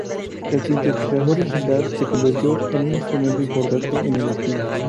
El sintetizador digital se convirtió en un instrumento importante en el estilo.